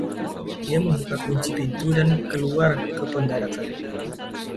Dia membuka kunci pintu dan keluar ke pendaratan.